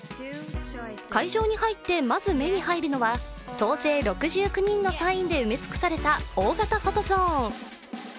会場に入って、まず目に入るのは総勢６９人のサインで埋め尽くされた大型フォトゾーン。